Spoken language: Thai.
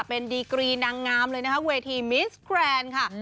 เป็นดีกรีนางงามเลยนะคะเวทีมิสแกรนด์ค่ะ